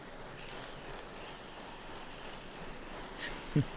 フッ。